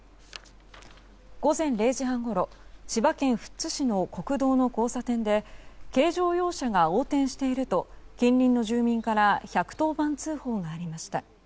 午前０時半ごろ千葉県富津市の国道の交差点で軽乗用車が横転していると近隣の住民から１１０番通報がありました。